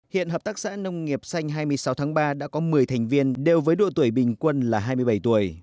hiện hợp tác xã nông nghiệp xanh hai mươi sáu tháng ba đã có một mươi thành viên đều với độ tuổi bình quân là hai mươi bảy tuổi